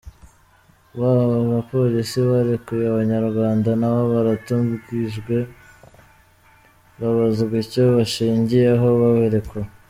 Ba bapolisi barekuye Abanyarwanda nabo baratumijwe, babazwa icyo bashingiyeho babarekura.